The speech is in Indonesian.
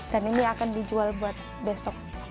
dan ini akan dijual buat besok